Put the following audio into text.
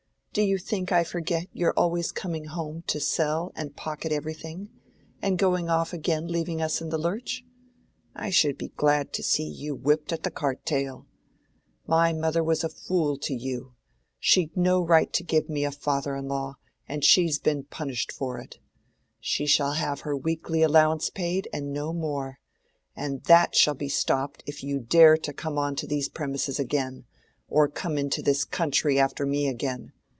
Do you think I forget your always coming home to sell and pocket everything, and going off again leaving us in the lurch? I should be glad to see you whipped at the cart tail. My mother was a fool to you: she'd no right to give me a father in law, and she's been punished for it. She shall have her weekly allowance paid and no more: and that shall be stopped if you dare to come on to these premises again, or to come into this country after me again.